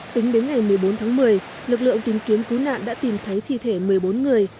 tính đến ngày một mươi bốn tháng một mươi lực lượng tìm kiếm cứu nạn đã tìm thấy thi thể một mươi bốn người